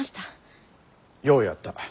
ようやった。